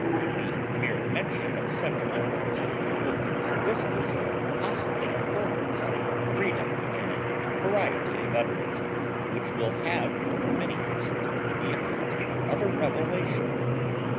The mere mention of such numbers opens vistas of possible fulness, freedom, and variety of utterance, which will have for many persons the effect of a revelation.